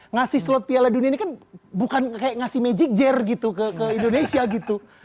ngasih slot piala dunia ini kan bukan kayak ngasih magic jar gitu ke indonesia gitu